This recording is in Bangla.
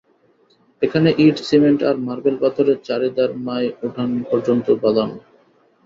এখানে ইট-সিমেন্ট আর মার্বেল পাথরে চারিধার মায় উঠান পর্যন্ত বাঁধানো।